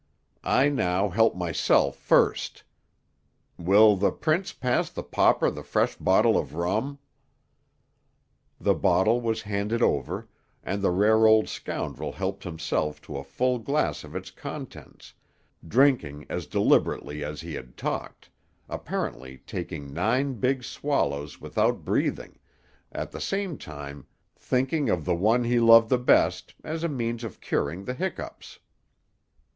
I now help myself first. Will the Prince pass the Pauper the fresh bottle of rum?" The bottle was handed over, and the rare old scoundrel helped himself to a full glass of its contents, drinking as deliberately as he had talked, apparently taking nine big swallows without breathing, at the same time thinking of the one he loved the best, as a means of curing the hiccoughs.